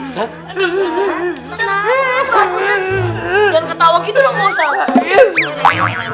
jangan ketawa gitu dong pak ustadz